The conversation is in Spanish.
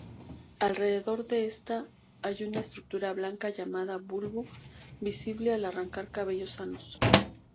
Alrededor de esta hay una estructura blanca llamada "bulbo", visible al arrancar cabellos sanos.